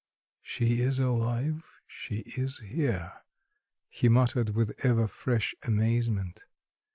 "She is alive, she is here," he muttered with ever fresh amazement.